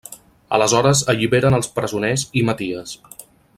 Aleshores alliberen els presoners i Maties.